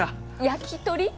焼き鳥？